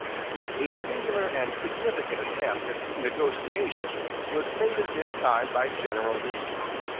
A singular and significant attempt at negotiation was made at this time by General Lee.